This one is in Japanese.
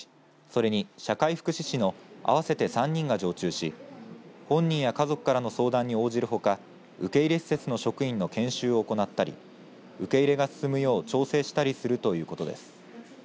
それに社会福祉士の合わせて３人が常駐し本人や家族からの相談に応じるほか受け入れ施設の職員の研修を行ったり受け入れが進むよう調整したりするということです。